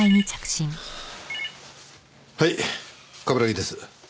はい冠城です。